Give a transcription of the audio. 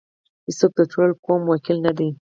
هیڅوک د ټول قوم وکیل نه دی.